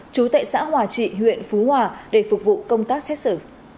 chú tệ xã hòa trị huyện phú hòa để phục vụ công tác xét xử